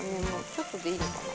ちょっとでいいのかな？